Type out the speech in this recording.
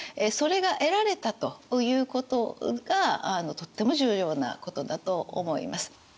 それが得られたということがとっても重要なことだと思います。